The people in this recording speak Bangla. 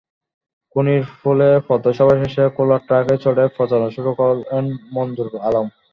ধোনিরপুলে পথসভা শেষে খোলা ট্রাকে চড়ে প্রচারণা শুরু করেন মনজুর আলম।